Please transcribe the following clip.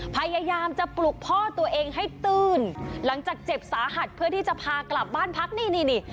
พยายามจะปลุกพ่อตัวเองให้ตื้นหลังจากเจ็บสาหัสเพื่อที่จะพากลับบ้านพักนี่นี่